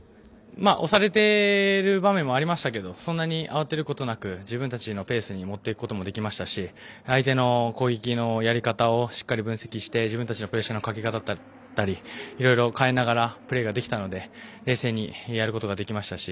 押されてる場面もありましたけどそんなに慌てることなく自分たちのペースにもっていくこともできましたし相手の攻撃のやり方をしっかり分析して自分たちのプレッシャーのかけ方だったりいろいろ変えながらプレーができたので冷静にやることができましたし